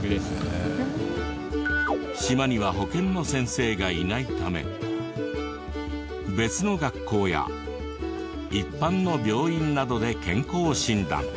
島には保健の先生がいないため別の学校や一般の病院などで健康診断。